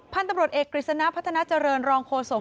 พันธุ์ตำรวจเอกกฤษณะพัฒนาเจริญรองโฆษก